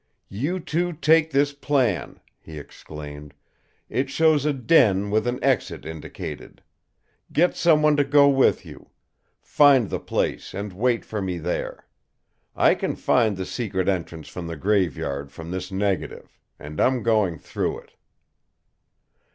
"You two take this plan," he exclaimed. "It shows a den with an exit indicated. Get some one to go with you; find the place and wait for me there. I can find the secret entrance from the Graveyard from this negative and I'm going through it."